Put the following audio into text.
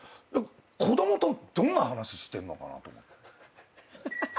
子供とどんな話してんのかなと思って。